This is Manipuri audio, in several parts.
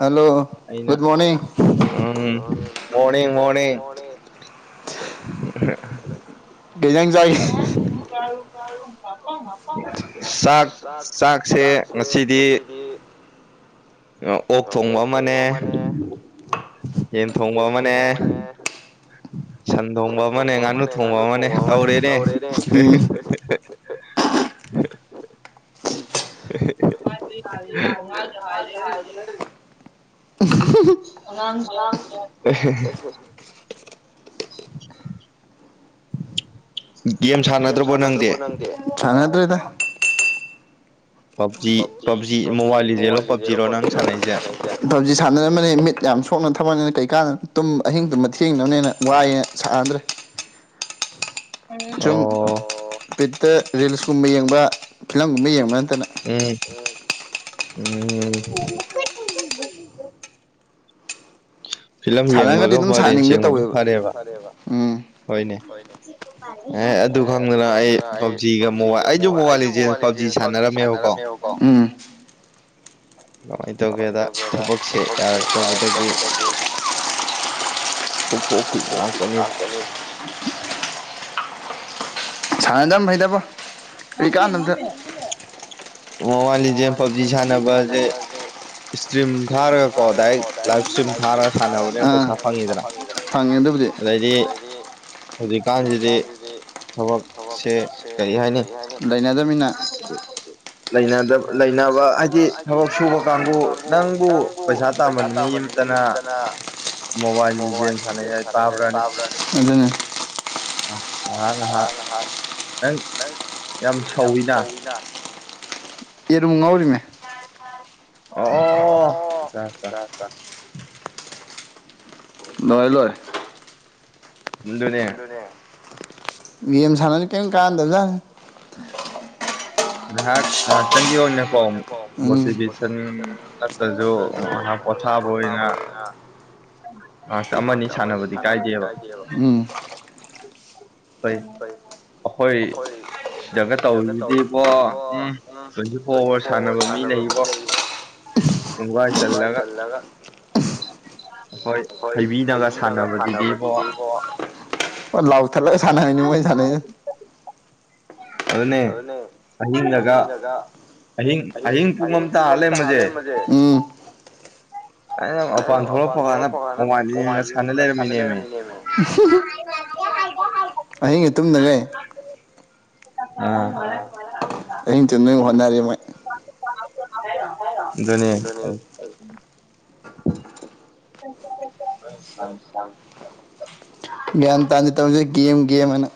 ꯍꯜꯂꯣ ꯒꯗ ꯃꯣꯅꯤꯡ ꯎꯝ ꯃꯣꯔꯅꯤ ꯃꯣꯔꯅꯤ ꯃ ꯆꯥꯛ ꯆꯥꯛꯁꯦ ꯉꯁꯤꯗꯤ ꯑꯣꯛ ꯊꯣꯡꯕ ꯑꯃꯅꯦ ꯌꯦꯟ ꯊꯣꯡꯉꯣ ꯃꯅꯦ ꯁꯟ ꯊꯣꯡꯕ ꯑꯃꯅꯦ ꯉꯥꯅꯨ ꯊꯣꯡꯕ ꯑꯃꯅꯦ ꯇꯧꯔꯦꯅꯦ ꯀ ꯐꯉ ꯍꯥꯏꯔꯤ ꯑ ꯎꯝ ꯒꯦꯝ ꯁꯥꯟꯅꯗ꯭ꯔꯕꯣ ꯅꯪꯁꯦ ꯁꯥꯟꯅꯗ꯭ꯔꯦꯗ ꯄꯖꯤ ꯄꯖꯤ ꯃꯣꯕꯥꯏꯜꯂꯣ ꯄꯖꯤ ꯂ ꯈ ꯇꯕꯖꯤ ꯁꯥꯟꯅꯔꯝꯕꯅꯤ ꯃꯤꯠ ꯌꯥꯝ ꯁꯣꯛꯅ ꯊꯕꯛꯅꯤꯅ ꯀꯩ ꯀꯥꯟꯅ ꯇꯨꯝ ꯑꯍꯤꯡ ꯇꯨꯝꯕ ꯊꯦꯡꯅꯕꯅꯤꯅ ꯋꯥꯏꯅ ꯁꯥꯟꯅꯗ꯭ꯔꯦ ꯁꯨꯝ ꯠꯇ ꯔꯤꯜꯁꯀꯨꯝꯕ ꯌꯦꯡꯕ ꯐꯤꯂꯝꯒꯨꯝꯕ ꯌꯦꯡꯕ ꯅꯟꯗꯅ ꯎꯝ ꯎꯝ ꯐꯤꯂꯝ ꯌꯦꯡꯕꯒ ꯃꯔꯔꯦꯟꯁ ꯌꯦꯡꯕꯁꯨ ꯐꯔꯦꯕ ꯍꯣꯏꯅꯦ ꯑꯦ ꯑꯗꯨ ꯈꯪꯗꯅ ꯑꯩ ꯄꯞꯖꯤꯒ ꯃꯣꯕꯥꯏꯜ ꯑꯩꯁꯨ ꯃꯣꯕꯥꯏꯜ ꯂꯤꯁꯦ ꯄꯞꯖꯤ ꯁꯥꯟꯅꯔꯝꯃꯦꯕꯀꯣ ꯎꯝ ꯀꯃꯥꯏꯅ ꯇꯧꯒꯦꯗ ꯊꯕꯛꯁꯦ ꯌꯥꯔꯛꯇꯕꯗꯒꯤ ꯄꯣꯛ ꯐꯣꯛꯈꯤ ꯉꯥꯛꯀꯅꯤ ꯁꯥꯟꯅꯗꯝ ꯐꯩꯗꯕ ꯅꯪ ꯊꯅꯦ ꯃꯣꯃꯏꯜ ꯦꯝ ꯄꯕꯖꯤ ꯁꯥꯅꯦꯁꯦ ꯏꯁꯇ꯭ꯔꯤꯝ ꯊꯔ ꯀꯣ ꯗꯥꯏꯔꯦꯛ ꯂꯥꯏꯐ ꯏꯁꯇꯔꯤꯝ ꯊꯥꯔꯒ ꯁꯥꯟꯅꯕꯅꯤꯅꯩꯁꯥ ꯐꯪꯉꯤꯗꯅ ꯐꯪꯉꯦ ꯑꯗꯨꯕꯨꯗꯤ ꯍꯧꯖꯤꯛꯀꯥꯟꯁꯤꯗꯤ ꯊꯕꯛꯁꯦ ꯀꯔꯤ ꯍꯥꯏꯅꯤ ꯂꯥꯏꯅꯥ ꯗꯃꯤꯅꯥ ꯂꯩꯅꯕ ꯍꯥꯏꯗꯤ ꯊꯕꯛ ꯁꯪꯧꯕ ꯀꯥꯡꯕꯨ ꯅꯪꯕꯨ ꯄꯩꯁꯥ ꯇꯥꯝꯕꯅꯤ ꯃꯌꯨꯝꯗꯅ ꯃꯣꯕꯥꯏꯜꯒꯤꯒꯦꯝ ꯁꯅꯥꯢ ꯍꯥꯢꯅ ꯇꯕ꯭ꯔꯅꯦ ꯑꯗꯨꯅꯦ ꯑ ꯑ ꯑꯍ ꯅꯪ ꯌꯥꯝꯝ ꯊꯧ [inaudible] ꯌꯦꯔꯨꯝ ꯉꯥꯎꯔꯤꯅꯦ ꯑꯣ ꯂꯣꯏ ꯂꯣꯏ ꯗꯨꯅꯦ ꯌꯦꯦꯝ ꯁꯥꯟꯅꯅ ꯀꯩꯝ ꯀꯥꯗꯕꯖꯥꯠꯅꯤ ꯍꯥꯥꯛ ꯆꯖꯤ ꯋꯥ ꯅ ꯀꯣ ꯃꯣꯇꯤꯚꯦꯁꯟ ꯅꯠꯇ꯭ꯔꯁꯨ ꯉꯍꯥꯛ ꯄꯣꯊꯥꯕ ꯑꯣꯏꯅ ꯉꯍ ꯑꯃꯅꯤ ꯁꯥꯟꯅꯕꯗꯤ ꯀꯥꯏꯗꯦꯕ ꯍꯣꯏ ꯑꯩꯈꯣꯏ ꯁꯤꯗꯒ ꯇꯧꯔꯤꯁꯤꯗꯤꯕꯣ ꯎꯝ ꯇ꯭ꯋꯦꯟꯇꯤ ꯐꯣꯔ ꯑꯋꯥꯔꯁ ꯁꯥꯟꯅꯕ ꯃꯤ ꯂꯩꯕꯣ ꯈꯨꯡꯕꯥꯢ ꯆꯥꯜꯂꯒ ꯍꯣꯏ ꯈꯩꯅꯤꯡꯕ ꯁꯥꯟꯅꯕꯒꯤꯗꯤꯀꯣ ꯑꯣ ꯂꯥꯎꯊꯠꯂꯒ ꯁꯥꯟꯅꯕꯤꯅꯤ ꯃꯣꯏ ꯁꯥꯟꯅꯩꯁꯤ ꯑꯗꯨꯅꯦ ꯑꯍꯤꯡꯗꯒ ꯑꯍꯤꯡ ꯑꯍꯤꯡ ꯄꯨꯡ ꯑꯃ ꯇꯥ ꯂꯩꯃꯥꯅꯤ ꯎꯝ ꯑꯩꯅ ꯃꯄꯥꯜ ꯊꯣꯛꯂꯛ ꯄꯥꯥꯥꯒꯥꯟꯗ ꯃꯣꯕꯥꯢ ꯂꯤꯖꯦꯟ ꯁꯥꯟꯅ ꯂꯩꯔꯝꯃꯤꯅꯦꯕ ꯑꯍꯤꯡꯒ ꯇꯨꯝꯗꯉꯩ ꯑꯥ ꯑꯍꯤꯡꯗꯉꯩ ꯍꯣꯠꯅꯔꯦ ꯃꯣꯏ ꯑꯗꯨꯅꯦ ꯎꯝ [inaudible] ꯒ꯭ꯌꯤꯟ ꯇꯥꯗꯦ ꯇꯧꯔꯤꯁꯦ ꯒꯦꯝ ꯒꯦꯝꯅ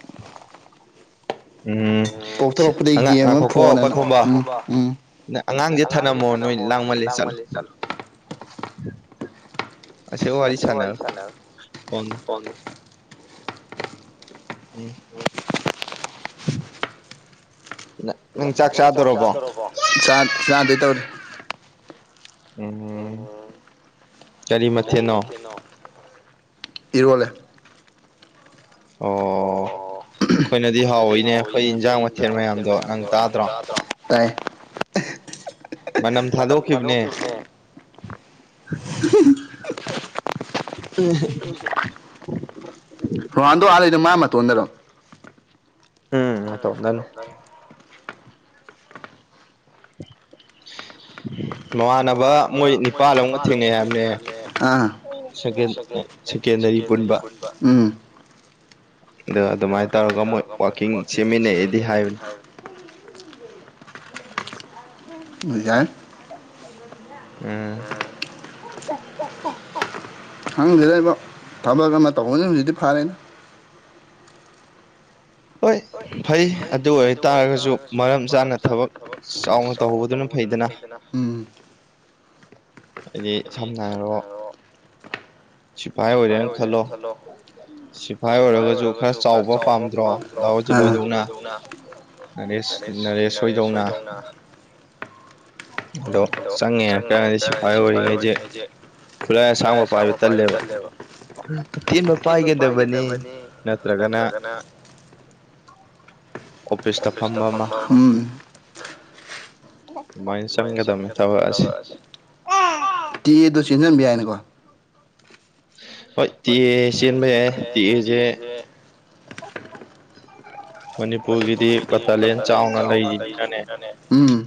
ꯄꯣꯛꯊꯣꯛꯔꯛꯄꯗꯒꯤ ꯒꯦꯝ ꯑꯃ ꯐꯣꯟ ꯅ ꯎꯝ ꯎꯝ ꯑꯉꯥꯡꯗꯤ ꯊꯥꯅꯝꯃꯣ ꯅꯣꯏ ꯂꯥꯡꯃꯜꯂꯦ ꯆꯠꯂꯣ ꯑꯁꯤ ꯋꯥꯔꯤ ꯁꯥꯅꯝ ꯎꯝ ꯅꯪ ꯆꯥꯛ ꯆꯥꯗꯧꯔꯕꯣ ꯆꯥꯛ ꯆꯥꯗꯣꯏ ꯇꯧꯔꯤ ꯎꯝ ꯀꯔꯤ ꯃꯊꯦꯜꯅꯣ ꯏꯔꯣꯜꯂꯦ ꯑꯣ ꯑꯩꯈꯣꯏꯅꯗꯤ ꯍꯥꯎꯋꯤꯅꯦ ꯑꯩꯈꯣꯏ ꯏꯟꯖꯥꯡ ꯃꯊꯦꯜ ꯃꯌꯥꯝꯗꯣ ꯅꯪ ꯇꯥꯗ꯭ꯔꯣ ꯇꯥꯏ ꯃꯅꯝ ꯊꯥꯗꯣꯛꯈꯤꯕꯅꯦ ꯎ [inaudible] ꯔꯣꯅꯥꯟꯗꯣ ꯑꯥ ꯂꯩꯗꯣ ꯃꯥ ꯃꯇꯣꯝꯗꯔꯣ ꯎꯝ ꯍꯤꯠꯇꯣꯛꯅꯔꯦ [inaudible] ꯃꯃꯥꯟꯅꯕ ꯃꯣꯏ ꯅꯨꯄꯥ ꯗꯧꯅ ꯇꯤꯟꯅꯩ ꯍꯥꯢꯕꯅꯦ ꯑꯥ ꯑꯣ ꯁꯤꯀꯦꯟꯗꯥꯔꯤ ꯄꯨꯟꯕ ꯑꯝ ꯑ ꯑꯗꯨꯃꯥꯏꯅ ꯇꯧꯔꯒ ꯃꯣꯏ ꯋꯥꯛꯀꯤꯡ ꯁꯦꯝꯃꯤꯟꯅꯑꯦꯗꯤ ꯍꯥꯏꯕꯅꯤ ꯌꯥꯥꯏ ꯎꯝ ꯈꯪꯗꯦꯗ ꯏꯕ ꯊꯕꯛ ꯑꯃ ꯇꯧꯕꯅꯤ ꯍꯧꯖꯤꯛꯇꯤ ꯐꯔꯦꯅꯦ꯫ ꯍꯣꯏ ꯐꯩ ꯑꯗꯨ ꯑꯣꯏꯇꯥꯔꯒꯁꯨ ꯃꯔꯝ ꯆꯥꯅ ꯊꯕꯛ ꯆꯥꯎꯅ ꯇꯧꯍꯧꯕꯗꯨꯅ ꯐꯩꯗꯅ꯫ ꯎꯝ꯫ ꯍꯥꯏꯗꯤ ꯁꯝꯅ ꯍꯥꯏꯔꯣ ꯁꯤꯐꯥꯏ ꯑꯣꯏꯔꯦꯅ ꯈꯜꯂꯣ ꯁꯤꯐꯥꯏ ꯑꯣꯏꯔꯒꯁꯨ ꯈꯔ ꯆꯥꯎꯕ ꯄꯥꯝꯗ꯭ꯔꯣ꯫ ꯗꯥ ꯑꫭꯖꯤꯠ ꯍꯣꯏꯗꯧꯅ ꯅꯔꯦꯁ ꯅꯔꯦꯁ ꯍꯣꯏꯗꯧꯅꯥ꯫ ꯑꯗꯣ ꯆꯪꯉꯦ ꯀꯔꯗꯤ ꯁꯤꯐꯥꯏ ꯑꯣꯏꯔꯤꯉꯩꯁꯦ ꯈꯨꯂꯥꯏ ꯑꯁꯥꯡꯕ ꯄꯥꯏꯕ ꯇꯜꯂꯦꯕ꯫ ꯇꯦꯟꯕ ꯄꯥꯏꯒꯗꯕꯅꯤ ꯅꯠꯇ꯭ꯔꯒꯅ ꯎꯝ ꯇꯤ ꯌꯦ ꯗꯣ ꯆꯦꯟꯁꯤꯟꯕ ꯌꯥꯢꯅꯦꯒꯣ ꯍꯣꯏ ꯇꯤ ꯌꯦ ꯆꯦꯟꯕ ꯌꯥꯏ ꯇꯤ ꯌꯦ ꯁꯦ ꯃꯅꯤꯄꯨꯔꯒꯤꯗꯤ ꯕꯇꯥꯂꯦꯟ ꯆꯥꯎꯅ ꯂꯩꯔꯤꯅꯤꯅꯅꯦ ꯎꯝ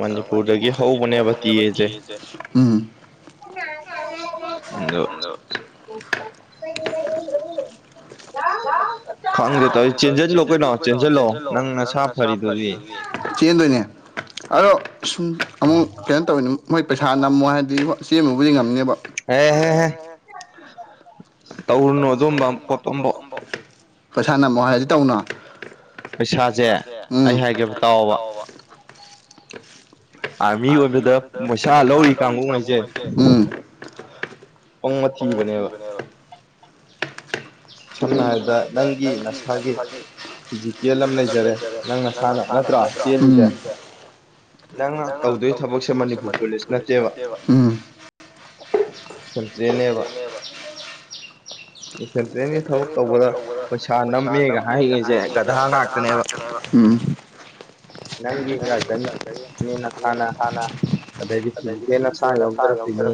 ꯃꯅꯤꯄꯨꯔꯗꯒꯤ ꯍꯧꯕꯅꯦꯕ ꯇꯤꯌꯦꯁꯦ ꯑꯗꯨ ꯀ [inaudible] ꯈꯪꯗꯦ ꯇꯧꯔꯤꯁꯦ ꯆꯦꯟꯁꯤꯜꯂꯣ ꯀꯩꯅꯣ ꯆꯦꯟꯁꯤꯜꯂꯣ ꯅꯪ ꯅꯁꯥꯥ ꯐꯔꯤꯗꯨꯗꯤ ꯆꯦꯟꯗꯣꯏꯅꯦ ꯑꯗꯣ ꯁꯨꯝ ꯑꯃꯨꯛ ꯀꯩꯅꯣ ꯇꯧꯅꯤ꯫ ꯃꯣꯏ ꯄꯩꯁꯥ ꯅꯝꯃꯣ ꯍꯥꯏꯔꯗꯤ ꯍꯣꯏ ꯆꯦꯃꯕꯨꯗꯤ ꯉꯝꯅꯦꯕ꯫ ꯍꯦꯍꯦꯍꯦ ꯇꯧꯔꯨꯅꯨ ꯑꯗꯨꯝꯕ ꯈꯣꯠ ꯑꯝꯚꯧ꯫ ꯄꯩꯁꯥ ꯅꯝꯃꯣ ꯍꯥꯏꯔꯗꯤ ꯇꯧꯅꯣ ꯄꯩꯁꯥꯁꯦ ꯑꯩ ꯍꯥꯏꯒꯦ ꯇꯥꯑꫭꯕ ꯎꯝ꯫ ꯑꯥꯔꯃꯤ ꯑꯗꯨꯗ ꯃꯁꯥ ꯂꯧꯔꯤ ꯀꯥꯡꯕꯨ ꯉꯩꯁꯦ ꯎꯪ ꯄꯪꯕ ꯊꯤꯕꯅꯦꯕ꯫ ꯁꯝꯅ ꯍꯥꯏꯔꯕꯗ ꯅꯪꯒꯤ ꯅꯁꯥꯒꯤ ꯐꯤꯖꯤꯀꯦꯜ ꯑꯃ ꯂꯩꯖꯔꯦ ꯅꯪ ꯅꯁꯥꯅ ꯅꯠꯇ꯭ꯔꯥ ꯆꯦꯜꯂꯤꯁꯦ꯫ ꯅꯪꯅ ꯇꯧꯗꯣꯏ ꯊꯕꯛꯁꯦ ꯃꯅꯤꯄꯨꯔ ꯄꯨꯂꯤꯁ ꯅꯠꯇꯦꯕ꯫ [inaudible] ꯁꯦꯟꯇ꯭ꯔꯦꯟꯒꯤ ꯊꯕꯛ ꯇꯧꯕꯗ ꯄꯩꯁꯥ ꯅꯝꯃꯦꯒ ꯍꯥꯏꯉꯩꯁꯦ ꯒꯙꯥ ꯉꯥꯛꯇꯅꯦꯕ ꯎꯝ꯫ [inaudible] ꯑꯗꯩꯗꯤ ꯐꯤꯖꯤꯀꯦꯟ ꯅꯁꯥꯅ ꯌꯥꯎꯗꯔꯛꯇꯣꯏꯅꯤ꯫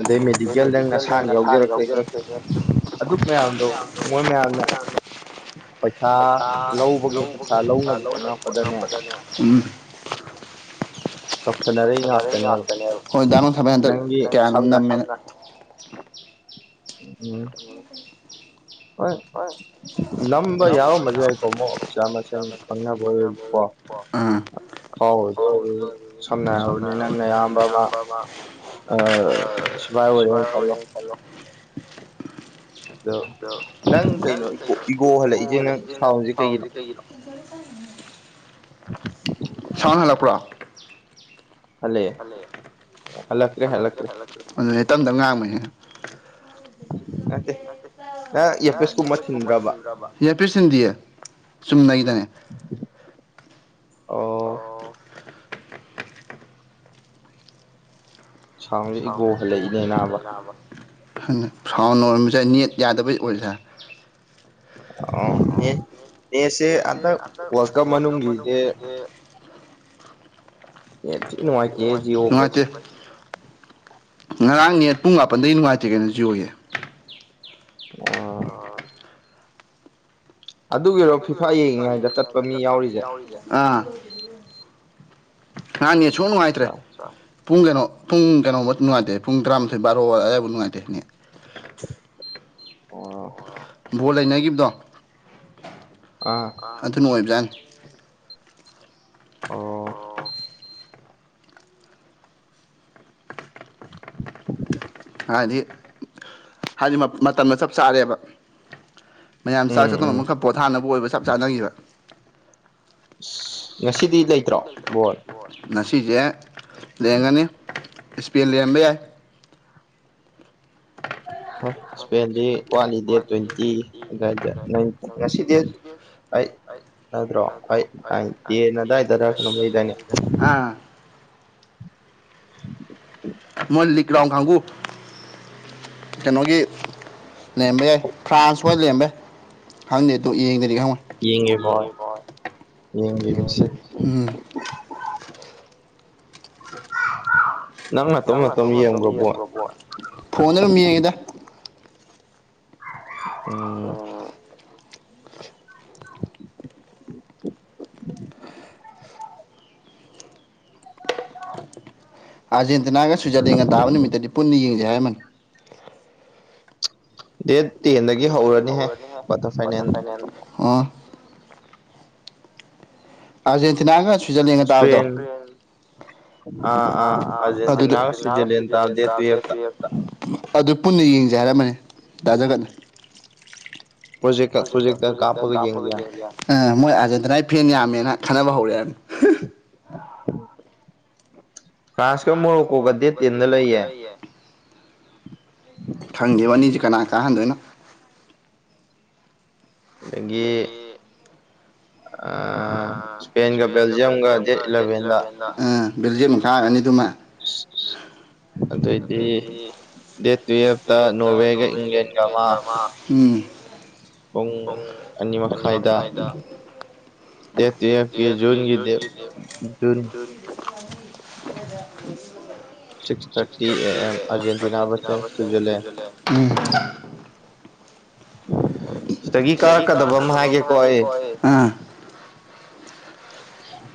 ꯑꯗꯩ ꯃꯦꯗꯤꯀꯦꯜꯗꯪ ꯅꯁꯥꯅ ꯌꯥꯎꯖꯔꯛꯇꯣꯏꯅꯤ꯫ ꯑꯗꯨꯛ ꯃꯌꯥꯝꯗꯣ ꯃꯣꯏ ꯃꯌꯥꯝꯅ ꯄꯩ ꯁꯥ ꯂꯧꯕꯒꯤ ꯄꯩꯁꯥ ꯂꯧꯅꯕ ꯍꯣꯠꯅꯔꯛꯄꯗꯅꯦ ꯍꯣꯏ ꯗꯥꯅꯣꯊꯕꯩ ꯍꯟꯗꯛ ꯀꯌꯥꯅꯣ ꯅꯝꯃꯦꯅ ꯎꯝ꯫ [inaudible] ꯑꯥ꯫ [inaudible] ꯑ ꯁꯤꯚꯥꯏ ꯑꫭꯏꯔꯦ ꯈꯜꯂꯣ꯫ ꯙꯜꯂꯣ ꯗꯨ ꯅꯪ ꯀꯩꯅ ꫭꯏꯒꯣ ꯍꯜꯂꯛꯏꯁꯦ ꯅꯪ ꯁꯥꯎꯏꯁꯦ ꯀꯩꯒꯤꯅꫭ꯫ ꯁꯥꯎꯟ ꯍꯂꯛꯄ꯭ꯔꫭ꯫ ꯑꯗꯨꯅꯤ ꯇꯞ ꯇꯞꯅ ꯉꯥꯡꯕꯩꯅꯤ꯫ [inaudible] ꯏꯌꯦꯔꯄꯤꯁ ꯊꯤꯟꯗꯤꯌꯦ ꯆꯨꯝꯅꯒꯤꯗꯅꯦ꯫ ꯑꯣ꯫ ꯁꯥꯎꯟꯁꯦ ꯏꯒꯣ ꯍꯜꯂꯛꯏꯅꯦ ꯅꯥꯕ꯫ [unintelligible] ꯁꯥꯎꯟ ꯑꯣꯏꯔꯕꯁꯦ ꯅꯦꯠ ꯌꯥꯗꯕꯩ ꯑꯣꯏꯁꯥ ꯑ ꯅꯦꯁꯦ ꯑꯟꯇꯛ ꯋꯥꯜ ꯀꯞ ꯃꯅꯨꯡꯒꯤꯁꯦ [unintelligible] ꯅꯨꯡꯉꯥꯏꯇꯦ ꯉꯔꯥꯡꯅꯦꯠ ꯄꯨꯡ ꯃꯥꯄꯟꯗꯩ ꯅꯨꯡꯉꯥꯏꯇꯦ ꯀꯩꯅꯣ ꯖꯤꯑꫭꯒꯤ ꯑꯣ ꯑꯗꯨꯒꯤꯔꯣ ꯐꯤꯐꯥ ꯌꯦꯡꯉꯤꯉꯗ ꯇꯥꯠꯄ ꯃꯤ ꯌꯥꯎꯔꯤꯁꯦ ꯑꯥ [unintelligible] ꯁꯨ ꯅꯨꯡꯉꯥꯏꯇ꯭ꯔꯦ ꯄꯨꯡ ꯀꯩꯅꯣ ꯄꯨꯡ ꯀꯩꯅꯣꯃꯨ ꯅꯨꯡꯉꯥꯏꯇꯦ ꯄꯨꯡ ꯇꯔꯥꯃꯥꯊꯣꯏ ꯕꯥꯔꯣꯋꯥꯏ ꯑꯗꯨꯋꯥꯏꯐꯥꯎ ꯅꯨꯡꯉꯥꯏꯇꯦꯅꯦ ꯑꯣ ꯚꯣꯜ ꯂꯩꯅꯒꯤꯕꯗꯣ ꯑꯥ꯫ ꯑꯗꯨꯅ ꯑꯣꯏꯕꯖꯥꯠꯅꯤ꯫ ꯑꯣ꯫ ꯍꯥꯏꯗꯤ ꯍꯥꯏꯗꯤ ꯃꯇꯝꯅ ꯆꯞ ꯆꯥꯔꯦꯕ꯫ ꯃꯌꯥꯝ ꯆꯥꯛ ꯆꯥꯈꯨꯝ ꯑꯃꯈꯛ ꯄꯣꯠꯊꯥꯅꯕꯨ ꯑꯣꯏꯕ ꯆꯞ ꯆꯥꯟꯅꯈꯤꯕ꯫ ꯑ ꯉꯁꯤꯗꯤ ꯂꯩꯇ꯭ꯔꯣ ꯕꯣꯜ꯫ ꯉꯁꯤꯁꯦ ꯂꯦꯡꯒꯅꯤ ꯏꯁ꯭ꯄꯦꯟ ꯂꯩꯔꯝꯕ ꯌꯥꯏ꯫ ꯍꯦ꯫ [inaudible] ꯑꯥ꯫ ꯃꯣꯏ ꯂꯤꯛ ꯔꯒ꯭ꯔꯥꯎꯟ ꯀꯥꯡꯕꯨ ꯀꯩꯅꯣꯒꯤ ꯂꯩꯔꯝꯕ ꯌꯥꯏ ꯐ꯭ꯔꯥꯟꯁ ꯍꫭꯏ ꯂꯦꯝꯕ ꯌꯥ ꯈꯪꯗꯦ ꯑꯗꯨ ꯌꯦꯡꯗꯗꯤ ꯈꯪꯉꫭꯏ ꯌꯦꯡꯉꯦ ꯍꯣꯏ ꯌꯦꯡꯁꯦ ꯎꯝ [unintelligible] ꯅꯪ ꯅꯇꯣꯝ ꯅꯇꯣꯝ ꯌꯦꯡꯕꯔꫭ ꯕꯣꯜ ꯐꯣꯟꯗ ꯑꯗꯨꯝ ꯌꯦꯡꯉꯦꯗ ꯎꯝ ꯑꯥꯔꯖꯦꯟꯇꯤꯅꯥꯒ ꯁ꯭ꯋꯤꯖꯔꯂꯦꯟꯒ ꯇꯥꯕ ꯅꯨꯃꯤꯠꯇꯗꯤ ꯄꯨꯟꯅ ꯌꯦꯡꯖꯩ ꯍꯥꯏꯔꯝꯕꯅꯤ ꯗꯦꯠ ꯇꯦꯟꯗꯒꯤ ꯍꯧꯔꯅꯤꯍꯦ ꯀ꯭ꯋꯥꯇꯔ ꯐꯥꯏꯅꯦꯜ ꯑꯥ ꯑꯥꯔꯖꯦꯟꯇꯤꯅꯒ ꯁꯨ ꯏꯁꯄꯦꯟ ꯑ ꯑ ꯑꯥꯔꯖꯦꯟꯇꯤꯅꯒ ꯁ꯭ꯋꯤꯖꯔꯂꯦꯟꯒ ꯗꯦꯠ ꯇꯨꯌꯦꯞꯇꯥ ꯑꯗꯨ ꯄꯨꯟꯅ ꯌꯦꯡꯁꯩ ꯍꯥꯏꯔꯝꯃꯅꯤ ꯗꯥꯖꯒꯠꯅꯤ ꯄꯨꯖꯦꯛꯇ ꯄꯨꯖꯦꯛꯇ ꯀꯥꯄꯒ ꯌꯦꯡꯁꯤꯔ ꯑ ꯃꯣꯏ ꯑꯥꯖꯦꯟꯇꯤꯅꯒꯤ ꯐꯦꯟ ꯌꯥꯝꯃꯦꯅ ꯈꯟꯅꯕ ꯍꯧꯔꯛꯑꯦꯕꯅꯤ ꯐ꯭ꯔꯥꯟꯁ ꯀ ꯃꯔꫭꯀꯣꯒ ꯗꯦꯠꯇꯦꯟꯅ ꯂꯩꯌꯦ ꯈꯪꯗꯦꯕ ꯑꯅꯤꯁꯦ ꯀꯅꯥ ꯀꯥꯍꯟꯗꯣꯏꯅꯣ ꯑꯒꯤ ꯑ ꯁꯄꯦꯟꯒ ꯕꯦꯜꯖꯤꯌꯝꯒ ꯗꯦꯠ ꯏꯂꯚꯦꯟꯗ ꯑꯥ ꯕꯜꯖꯤꯝꯅ ꯀꯥꯈꯔꯅꯤ ꯑꯗꯨ ꯑꯃ ꯑꯗꯨꯑꯣꯏꯗꯤ ꯗꯦꯠ ꯇꯨꯋꯦꯜꯞꯇ ꯅꯣꯔꯋꯦꯒ ꯏꯪꯂꯦꯟꯒ ꯑꯃ ꯎꯝ ꯄꯨꯡ ꯑꯅꯤ ꯃꯈꯥꯏꯗ ꯗꯦꯠ ꯇꯨꯌꯦꯞꯀꯤ ꯖꯨꯟꯒꯤ ꯗꯦꯠ ꯖꯨꯟ [unintelligible] ꯁꯤꯛ ꯊꯥꯔꯇꯤ ꯑꯦ ꯑꯝ ꯑꯔꯖꯦꯟꯇꯤꯅꯥ ꯐ꯭ꯖꯁꯦꯏ ꯁ꯭ꯋꯤꯖꯔꯂꯦꯟ ꯁꯤꯗꯒꯤ ꯀꯥꯔꯛꯀꯗꯕ ꯑꯃ ꯍꯥꯏꯒꯦꯀꯣ ꯑꯩ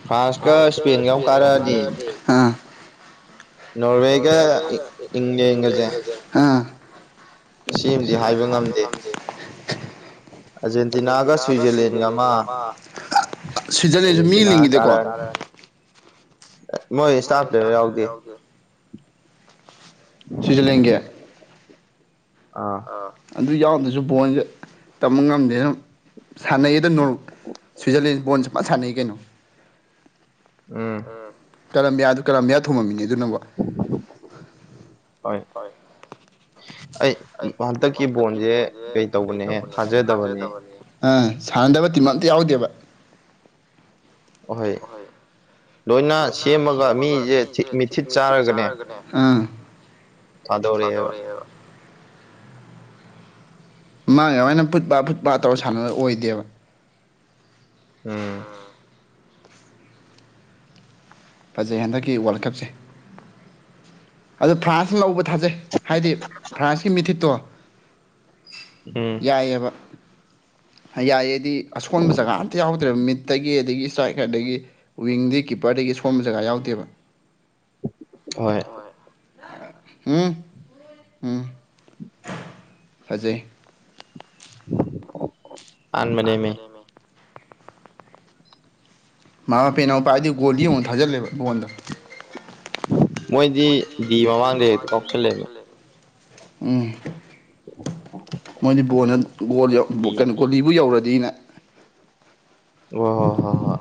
ꯐ꯭ꯔꯥꯟꯁꯀ ꯏꯁꯄꯦꯟꯒ ꯑꯃꯨ ꯀꯥꯔꯛꯑꯗꯤ ꯍꯥꯥ ꯅꯣꯔꯋꯦꯒ ꯏꯪꯂꯒꯁꯦ ꯍꯥꯥ [unintelligible] ꯍꯥꯏꯕ ꯉꯝꯖꯩ ꯑꯗꯨꯗꯤꯅꯗ ꯇ꯭ꯔꯤꯖꯂꯦꯅꯤꯡꯉꯃ ꯁ꯭ꯋꯤꯖꯔꯂꯦꯟꯁꯨ ꯃꯤ ꯂꯤꯡꯉꯤꯗꯀꯣ ꯃꯣꯏ ꯏꯁꯇꯥꯐ ꯂꯩꯔ ꯌꯥꯎꯗꯦ ꯁ꯭ꯋꯤꯖꯔꯂꯦꯟꯒꯤ ꯑꯥ ꯑꯗꯨ ꯌꯥꯎꯗꯁꯨ ꯕꯣꯟꯁꯦ ꯇꯝꯕ ꯉꯝꯗꯦꯅ ꯁꯥꯟꯅꯩ ꯑꯗ ꯅꯣꯔꯠ ꯁ꯭ꯋꯤꯖꯔꯂꯦꯟ ꯕꯣꯟ ꯐꯖꯅꯥ ꯁꯥꯟꯅꯩ ꯀꯩꯅꯣ ꯎꯝ ꯀꯂꯝꯕꯤꯌꯥꯗꯨ ꯀꯔꯥꯕꯤꯌꯥ ꯊꯣꯡꯉꯝꯃꯤꯅꯤ ꯑꯗꯨ ꯅꯕꯨ ꯍꯣꯏ ꯑꯩ ꯍꯟꯇꯛꯀꯤ ꯕꯣꯟꯁꯦ ꯀꯩ ꯇꯧꯕꯅꯦꯍ ꯊꯥꯖꯗꯕꯅꯦ ꯑꯥ ꯁꯥꯟꯅꯗꯕ ꯇꯤꯝ ꯑꯝꯇ ꯌꯥꯎꯗꯦꯕ ꯑꯍꯣꯏ ꯂꯣꯏꯅ ꯁꯦꯝꯃꯒ ꯃꯤꯁꯦ ꯊꯤꯠ ꯃꯤꯠꯊꯤꯠ ꯆꯥꯔꯒꯅꯦ ꯊꯥꯗꯧꯔꯛꯑꯦꯕ ꯃꯥꯥꯡꯉ ꯑꯗꯨꯃꯥꯏꯅ ꯐꯨꯠ ꯄꯥꯠ ꯐꯨꯠ ꯄꯥꯠ ꯇꯧꯔ ꯁꯥꯟꯅꯕ ꯑꯣꯏꯗꯦꯕ ꯎꯝ ꯐꯖꯩ ꯍꯟꯗꯛꯀꯤ ꯋꯥꯔꯜ ꯀꯞꯁꯦ ꯑꯗꯨ ꯐ꯭ꯔꯥꯟꯁꯅ ꯂꯧꯕ ꯊꯥꯖꯩ ꯍꯥꯏꯗꯤ ꯐ꯭ꯔꯥꯟꯁꯀꯤ ꯃꯤꯊꯤꯠꯇꯣ ꯌꯥꯏꯑꯕ ꯌꯥꯏꯌꯦꯗꯤ ꯑꯁꯣꯟꯕ ꯖꯒꯥ ꯑꯝꯇ ꯌꯥꯎꯗ꯭ꯔꯦꯕ ꯃꯤꯠꯇꯒꯤ ꯑꯗꯒꯤ ꯏꯁ ꯀꯗꯒꯤ ꯋꯤꯡꯗꯤ ꯀꯤꯞꯄꯔꯗꯒꯤ ꯁꯣꯣꯟꯕ ꯖꯒꯥ ꯌꯥꯎꯗꯦꯕ ꯍꯣꯏ ꯎꯝ ꯎꯝ ꯐꯖꯩ ꯑꯟꯃꯅꯦ ꯃ ꯃꯥꯃꯥ ꯃꯄꯦꯅ ꯃꯄꯥꯗꯤ ꯒꯣꯜ ꯌꯦꯡꯉꯨ ꯊꯥꯖꯤꯜꯂꯦꯕ ꯕꯣꯟꯗ ꯃꯣꯏꯒꯤ ꯃꯃꯥꯁ ꯄꯥꯎꯁꯜꯂꯦ ꯎꯝ ꯃꯗꯤꯣꯜꯣꯜ ꯀꯩꯅꯣ ꯒꯣꯂꯤꯕꯨ ꯌꯧꯔꯗꯤꯅ ꯑꯣ ꯍꯣ ꯍꯣ ꯍ